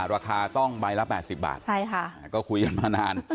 ราคาต้องใบละ๘๐บาทก็คุยกันมานาน